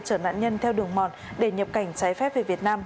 chở nạn nhân theo đường mòn để nhập cảnh trái phép về việt nam